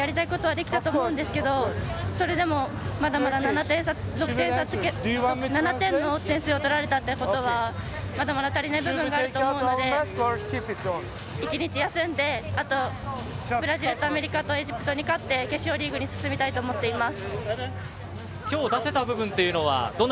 今まで練習してきたことが日本チームとしてやりたいことはできたと思うんですがそれでも、７点の点数を取られたということはまだまだ足りない部分があると思うので１日休んでブラジルとアメリカとエジプトに勝って決勝トーナメントに進みたいと思います。